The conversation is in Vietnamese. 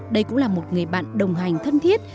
đây cũng là một người bạn đồng hành thân thiết